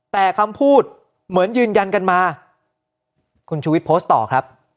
แต่คำพูดเหมือนยืนยันกันมาคุณชูวิทย์โพสต์ต่อครับ